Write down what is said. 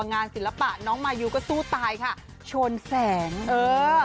งานศิลปะน้องมายูก็สู้ตายค่ะชนแสงเออ